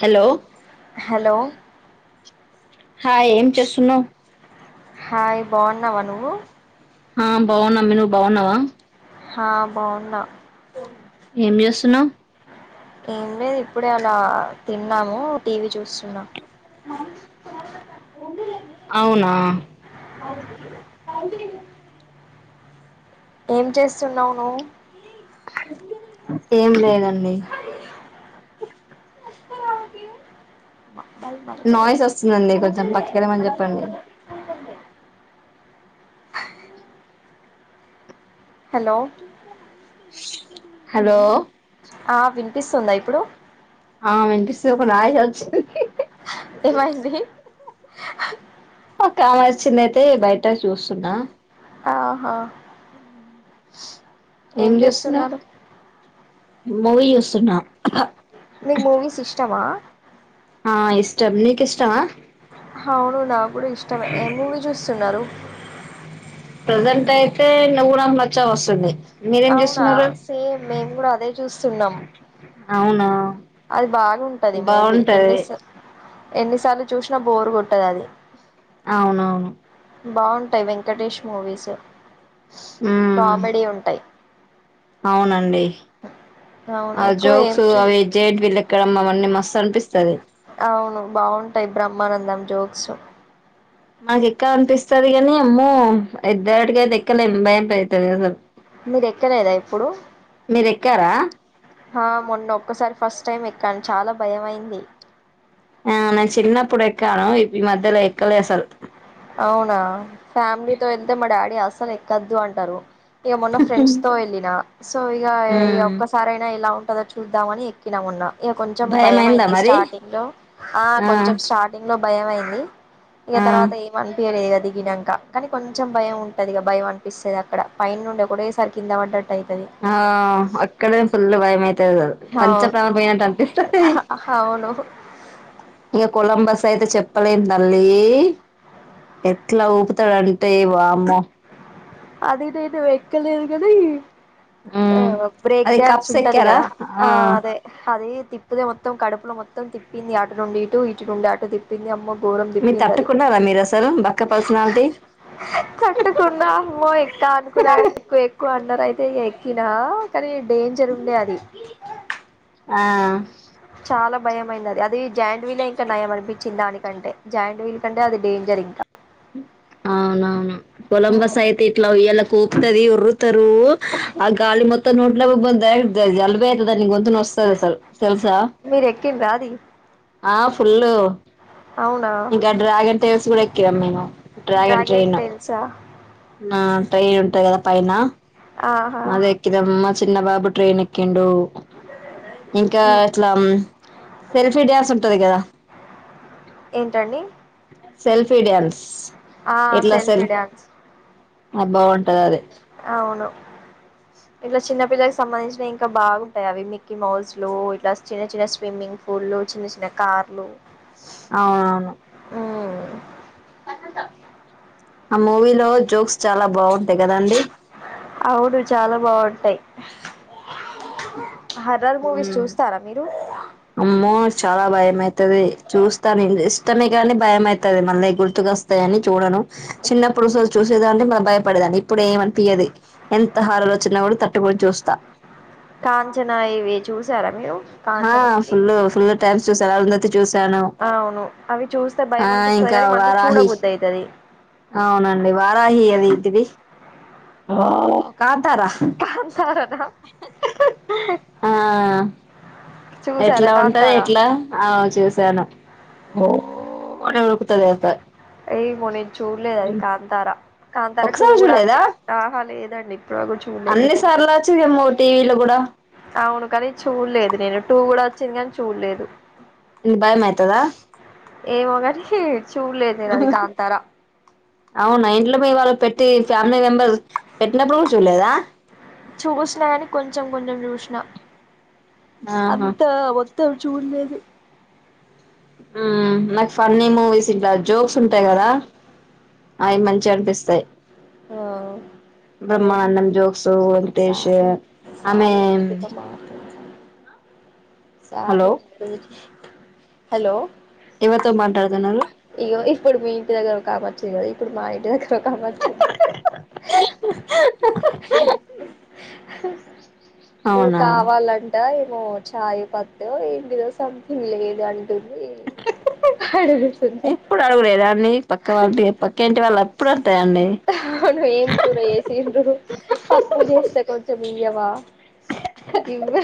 Hello hello hi ఏం చేస్తున్నావ్ hi బాగున్నావా నువ్వు ఆ బాగున్నామీ నువ్వు బాగున్నావా హా బావున్నా ఏం చేస్తున్నావు ఏం లేదు ఇప్పుడే అలా తిన్నాము టీవీ చూస్తున్నా అవునా అకే [unintelligible] ఏం చేస్తున్నావ్ నువ్వు ఏం లేదండి మళ్ళీ మళ్ళీ కాదు. నాయిస్ వస్తుందండి కొంచెం పక్కకెళ్ళమని చెప్పండి హలో హలో పిస్తుందా ఇప్పుడు ఆ వినిపిస్తుంది ఒక నాయిస్ వచ్చింది ఏమైంది కారు వచ్చింది అయితే బయట చూస్తున్నా ఆహా ఏం చేస్తున్నారు మూవి యూస్తున్నా మీక్ మూవీస్ ఇష్టమా ఆ ఇష్టం నీకు ఇష్టమా హావును నా కూడా ఇష్టమే ఏ మూవీ చూస్తున్నారు ప్రజెంట్ అయితే నవ్వురం మచ్చ వస్తుండి అవునా సేమ్ మేము కూడా అదే చూస్తున్నాం అవునా అది బాగుంటది మూవీ బాగుంటది ఎన్నిసా ఎన్నిసార్లు చూసిన బోరు కొట్టది అది అవునవును బాగుంటాయి వెంకటేష్ మూవీస్ మ్మ్ కామెడీ ఉంటాయి. అవునండి అవును ఆ ఎక్కువ ఏం జోక్స్ చూ అవి జెయింట్వీలు ఎక్కడమ్మ అవన్నీ మస్తు అనిపిస్తది అవును బాగుంటాయి బ్రహ్మానందం జోక్స్ మాకెక్కలా అనిపిస్తది కానీ అమ్మో ఇద్దరిటికైతే ఎక్కలేం భయం [unintelligible] యితాది అసలు మీరు ఎక్కలేదా ఎప్పుడు మీరు ఎక్కారా హా మొన్న ఒక్కసారి ఫస్ట్ టైమ్ ఎక్కన్ చాలా భయం అయింది ఆ నేను చిన్నప్పుడు ఎక్కను ఇ మధ్యలో ఎక్కలే అసల్ అవునా ఫ్యామిలీతో వెళ్తే మా డాడీ అస్సలు ఎక్కొద్దు అంటరు ఇగ మొన్న ఫ్రెండ్స్ తో వెళ్ళిన సో ఇగ ఇగా ఉమ్ ఒక్కసారైనా ఎలా ఉం టది చూద్దామని ఎక్కిన మొన్న ఇగ కొంచెం భయమైందా భయమైంది మరి స్టార్టింగ్ లో ఆహ్ ఆ కొంచెం స్టార్టింగ్ లో భయమైంది ఇగా ఆ తర్వా అనిపయలే దిగినంక కానీ కొంచెం భయముంటది ఇక భయం అనిపిస్తది అక్కడ పైనుండి ఒకటేసారి కింద పడ్డట్టు అయితది ఆహ్ అక్కడే ఫుల్లు భయమై తది పంచా అవును [unintelligible] పోయినట్టు అనిపిస్తది అవును ఇక కొలంబస్ అయితే చెప్పలేం తల్లి ఎట్లా ఊపుతడు అంటే వామ్మో అది నేను ఎక్కలేదు గానీ ఆ మ్మ్ అది బ్రేక్డ్యాన్స్ కప్స్ ఉంటది ఎక్కారా కదా ఆ అదే అది తిప్పితేే మొత్తం కడుపులో మొత్తం తిప్పింది ఆటు నుండి ఇటు ఇటు నుండి అటు తిప్పింది అమ్మో ఘోరం మీరు తిప్పింది ఆది తట్టుకున్నారా మీరు అసలు బక్క పర్సనాలిటీ తట్టుకున్నా ఎక్క అనుకున్నా కానీ ఎక్కు ఎక్కు అన్నారు అయితే ఇగ ఎక్కినా కానీ డేంజర్ ఉండే అది ఆ చాలా భయమైంది అది జాయింట్ వీలే ఇంకా నయం అనిపించింది దానికంటే జాయింట్ వీల్ కంటే అది డేంజర్ ఇంకా అవునవును కొలంబస్ అయితే ఇట్లా ఉయ్యాలెక్క ఊపుతది ఒరుతరు ఆ గాలి మొత్తం నోట్లకి పోయి [unintelligible] జ జలుబైతే [unintelligible] గొంతు నోస్తది అసల్ మీరు ఎక్కిన్రా అది ఆహ్ ఫుల్ అవునా ఇంకా డ్రాగన్ ట్రైన్స్ కూడా ఎక్కినం మేము డ్రాగన్ ట్రైన్సా ఆహ్ ట్రైన్ ఉంటది కద పైన ఆహా అదే ఎక్కినం మా చిన్నబాబు ట్రైన్ ఎక్కిం డు ఇంకా ఉమ్, ఇట్లా ఆమ్ సెల్ఫీ డ్యాన్స్ ఉంటది కదా ఏంటండి సెల్ఫి డ్యాన్స్ ఆ సెల్ఫి డ్యాన్స్ ఆది బాగుంటది అది అవును ఇట్ల చిన్నపిల్లలకి సంబంధించినవి ఇంకా బాగుంటయి అవి మిక్కీమౌస్లు ఇట్ల చిన్న చిన్న స్విమ్మింగ్ పూల్లు చిన్న చిన్న కార్లు అవునవును ఉమ్, ఆ మూవీలో జోక్స్ చాలా బాగుంటాయి కదండి అవును చాలా బాగుంటాయి. హర్రర్ మూవీస్ చూస్తారా మీరు అమ్మో చాలా భయమైతది చూస్తా నేను ఇష్టమే గాని భయమైతది మళ్ళీ గుర్తుకొస్తయని చూడను చిన్నప్పుడు సో చూసేదాన్ని మ భయపడేదాని ఇప్పుడు ఏమనిపియ్యది ఎంత హార్రర్ ఒచ్చిన కానీ తట్టుకొని చూస్తా కాంచన ఇవి చూశారా మీరు కాంచన ఆహ్ మూవీ ఫుల్ ఫుల్ టైమ్స్ చూసాను అరుంధతి చూసాను అవును అవి చూస్తే ఆ భయం ఇ అనిపిస్తది ఇంకా కానీ మంచిగా వారాహి చూడబుద్ధి అయితది అవునండి వారాహి అది ఏంటిది కా కంసారా నా ఆ ఎట్ల చూసారా ఉంటది కాంతారా ఎట్ల ఆహ్ చూసాను కోడి ఉరుకుతది అయితే ఏమో నేను చూడలేదు అది కాంతారా కాంతారా టూ ఒకసారి కూడా వచ్చి చూడలేదా ఆహ లేదండి ఇప్పుడు వరకు చూడలే అన్ని నేను అది సార్లు వచ్చిందేమో టీవీలో కూడా అవును కాని చూడలేదు నేను టూ కూడా వచ్చింది కాని చూడలేదు నీకు భయం అయితదా ఏమో గాని చూడలేదు నేనది కాంతార అవునా ఇంట్లో మీ వాళ్లు పెట్టి ఫ్యామిలీ మెంబర్స్ పెట్టినప్పుడు కూడా చూలేదా చూసినా గాని కొంచెం కొంచెం చూసిన ఆహా అంత మొత్తం చూడలేదు ఉమ్ నాకు ఫన్నీ మూవీస్ ఇంట్లా జోక్స్ ఉంటాయి గదా అయి మంచిగా అనిపిస్తాయి. ఓ అవును Brahmanandam jokes Venkatesh sorry sorry అండి మీతో మాట్లాడాలి. అ సార్లే [unintelligible] హలో ఎవరితో మాట్లాడుతాన్నారు. ఇగో ఇప్పుడు మీ ఇంటి దగ్గర ఒక ఒక్కామే వచ్చింది గదా ఇప్పుడు మా ఇంటి దగ్గర ఒకామె ఏమి అవునా కావాలంట ఏమో చాయ్ పత్తు ఏంటిదో సంథింగ్ లేదంట అడుగు ఇప్పుడడుగులేదా అండి పక్క వాళ్ళది పక్క ఇంటి వాళ్ళు ఎప్పుడు అంతేఅండి. ఏం కూర చేేసిండ్రు పప్పు చేస్తే కొంచెం ఇయ్యవా గివ్వ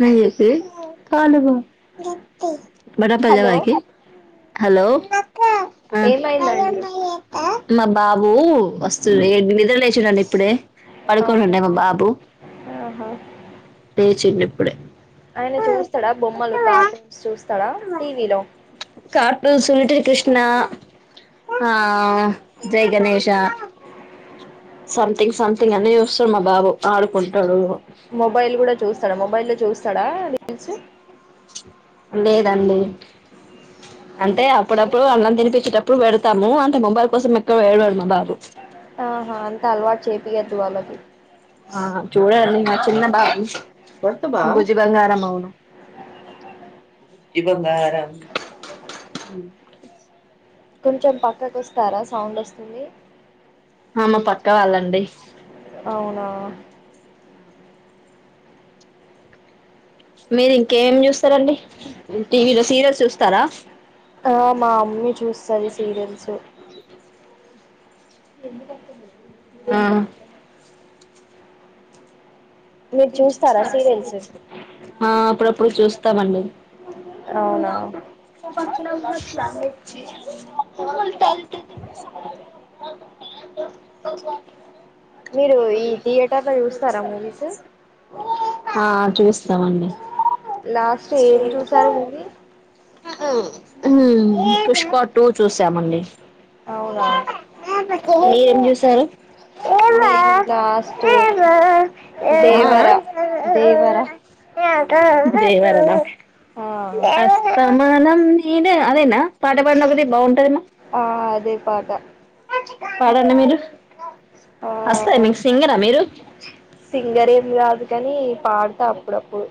నాయ్యే మమ్మీ [unintelligible] హలో బయికి హలో ఏమైందండి వస్తుండు నిధ్ర లేచిండు ఇప్పుడే అవునా పడుకోనుండే మా బాబు ఆహా లేేచిండు ఆయన చూస్తాడా బొమ్మలు కార్టూన్స్ చూస్తాడా టీవీలో కార్టూన్స్ లిటిల్ కృష్ణ ఆ జయ్ గణేేశ సంథింగ్ సంథింగ్ అని చూస్తాడు మా బాబు ఆడుకుంటాడు. మొబైల్ గుడా చూస్తాడా మొబైల్ లో చూస్తాడా రీల్స్ లేదండి అంటే అప్పుడప్పుడు అన్నం తినిపించేటప్పు ప్పుడు పెడతాము అంతే మొబైల్ కోసం ఎక్కువ ఏడవడు మా బాబు ఆహా అంత అలవాటు చేపియద్దు వాళ్ళకి ఆ చూడాలి మరి చిన్న బాబు బుజ్జి బంగారం అవును ఇదే బంగారం కొంచెం పక్కకు వస్తారా సౌండ్ వస్తుంది అ మా పక్క వాళ్ళండి అవునా మీరు ఇంకేమి చూస్తరండి టీవీలో సీరియల్స్ చూస్తారా ఆ మా అమ్మీ చూస్తది సీరియల్స్ ఎందుకు అర్థం గాదు ఆ మీరు చూస్తారా సీరియల్స్ ఆ అప్పుడప్పుడు చూస్తామండి అవునా [unintelligible] ఉల్ట ఉల్ మీరు ఈ థియేటర్ లో చూస్తారా మూవీస్ ఆ చూస్తామండి లాస్ట్ ఏం చూసారు మూవీ పుష్ప టూ చూసామండి అవునా మీరేం చూసారు నేను లాస్టు దే ఆ వరా దేవరా దేవరా న ఆ అస్తమానం నేనే అదేనా పాట పాడనా ఒకటి బాగుంటదమ్మా ఆ అదే పాట పాడండి మీరు ఆ వస్తాయి మీకు సింగరా మీరు సింగర్ ఏమి కాదు కానీ పాడతా అప్పుడప్పుడు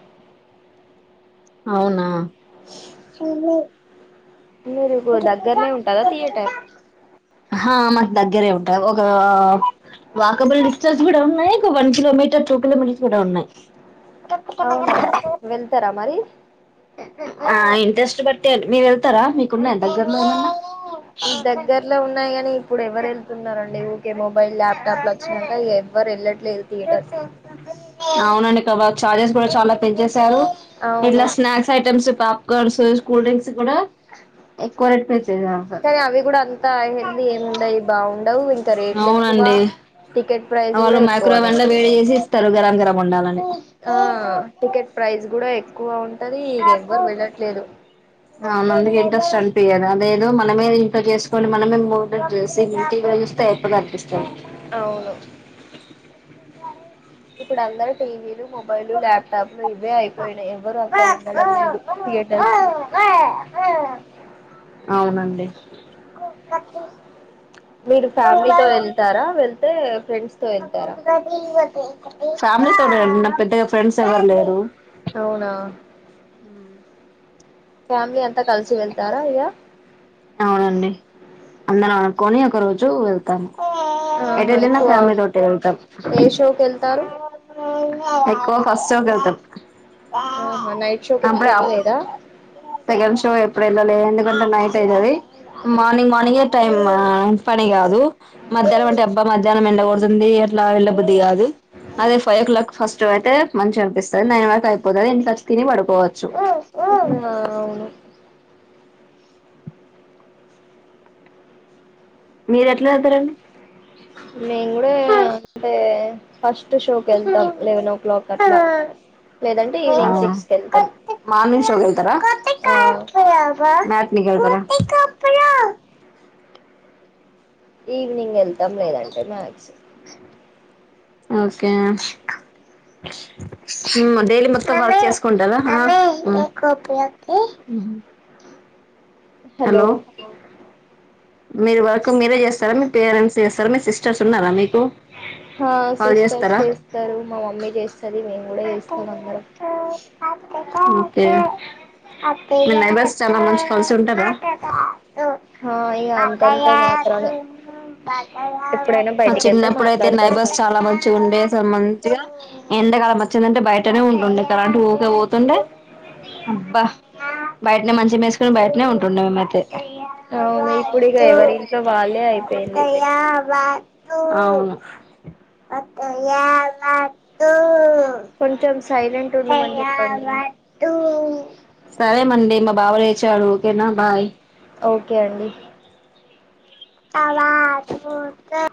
అవునా ఊరుకు దగ్గరనే ఉంటదా థియేటర్ ఆహా మాకు దగ్గరే ఉంటాయి ఒక వాకబుల్ డిస్టెన్స్ కూడా ఉన్నాయి ఒక వన్ కిలోమీటర్ టూ కిలోమీటర్స్ కూడా ఉన్నాయి అవునా వెళ్తారా మరి ఆ ఇంట్రెస్ట్ బట్టి వెళ్ దగ్గరలో ఉన్నాయి కాని ఇప్పుడు ఎవరు వెళ్తున్నారండి ఊకే మొబైల్ ల్యాప్టాప్లు వచ్చినాక ఎవ్వరు వెళ్లట్లేదు అవునండి కబా చార్జెస్ కూడా చాలా పెంచేసా రు అవును ఇట్లా స్నాక్స్ ఐటమ్స్ పా కర్స కూల్ డ్రింక్స్ కూడా ఎక్కువ రేటు ప్ కానీ అవి కూడా అంత హెల్దీ ఏమి ఉండయి బాగుండవు ఇంకా రేట్లు ఎక్కువ అవునండి టికెట్ ప్రైస్ కూడా వాళ్ళు ఎక్కువనే మైక్రోవేవ్ లో వేడి చేసి ఇస్తారు గరం గరం ఉండాలని ఆ టికెట్ ప్రైస్ కూడా ఎక్కువ ఉంటది ఇక ఎవ్వరు వెళ్ళట్లేదు అవునందుకే ఇంట్రెస్ట్ అనిపీయదు అదేదో మనమే డౌన్లోడ్ చేసుకొని మనమే మూవీ చూసి ఇంట్లో చూస్తే కనిపిస్తాంది అవును ఇప్పుడు అందరు టీవీలు మొబైలు ల్యాప్టాప్లు ఇవే అయిపోయినాయి ఎవరు అంత వెళ్ళడం లేదు థియేటర్స్ కి అవునండి మీరు ఫ్యామిలీతో వెళ్తారా వెళ్తే ఫ్రెండ్స్ తో వెళ్తారా ఫ్యామిలీ తోనేండి నాకు పెద్దగా ఫ్రెండ్స్ ఎవరు లేరు అవునా ఫ్యామిలీ అంతా కలిసి వెళ్తారా ఇక అవునండి అందరం అనుకొని ఒక రోజు వెళ్తాము ఏట ఆహా అలీని ఎక్కువ ఫమె తోటే ఉంటం ఏ షోకి వెళ్తారు ఎక్కువ ఫస్ట్ షోకె వెళ్తాం ఆహా నైట్ షోకి అబ్ర ఎప్పుడు వెళ్ళలేదా సెకండ్ షో ఎప్పుడ వెళ్ళాల ఎందుకంటే నైట్ అయితుది మార్నింగ్ మార్నింగే టైమ్ పని కాదు మధ్యలోం అంటే అబ్బా మధ ధ్యానం ఎండగడుతుంది అట్లా వెళ్ళబుద్ది కాదు అదే ఫైవ్ ఓ క్లాక్ ఫస్ట్ అయితే మంచిగా అనిపిస్తుంది నైన్ వరకు అయిపోతుది ఇంట్లో వచ్చి తిని పడుకోవచ్చు యి అవును మీరు ఎట్లా వెళ్తారండి మేము కూడా అంటే ఫస్ట్ షోకి వెళ్తాం లెవెనో క్లాక్ అట్లా లేదంటే ఈవినింగ్ సిక్స్ క వెళ్తాం పోతారా ఆ మాట్నికెల్తారా ఈవినింగ్ వెళ్తాం లేదంటే మ్యాక్స్ ఓకే డైలీ మత్తం వర్క్ చేసుకుంట మ్ హ్మ్ హలో మీరు వర్క్ మీరే చేస్తారా మీ పేరెంట్స్ చేస్తారా మీ సిస్టర్ సిస్టర్స్ ఉనారు మీకు హా వాల్ సిస్టర్స్ చేస్తారా చేస్తారు మా మమ్మీ చేస్తది మేము కూడా చేస్తాం అందరం హమ్ ఎ మీ నైబర్స్ చాలా మంచి కలిసి ఉంటారా హా ఇగ అంతంత పాపయ్య మాత్రానే తుమ్ ఎప్పుడైనా మా బయటికి వెళ్తే చినపుడైతే మాట్లాడతారు నైబర్స్ చాలా మంచిగా ఉండే సూ మంచిగా ఎంతకాల మచ్చిందంటే బయటనే ఉంటుండే ఇలా అంటి ఊరికే పోతుండే అబ్బా బయటనే మంచి వేసుకుని బయటనే ఉంటుండే మేమ అయితే య అవును ఇప్పుడు ఇక వాస్తు ఎవరి ఇంట్లో వాళ్ళే అయిపోయింది ముపైయ వ ఆవును కొంచెం సైలెంట్ ఉండమని చెప్పండి సరే అండి మా బాబు వచాడు ఓకేనా బాయ్ ఓకే అండి కవతూత్